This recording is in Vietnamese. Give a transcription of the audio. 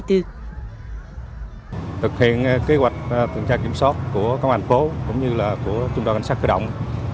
thực hiện kế hoạch tần tra kiểm soát của công an tp hcm cũng như của trung đoàn cảnh sát cửa động